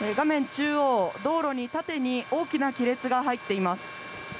中央、道路に縦に大きな亀裂が入っています。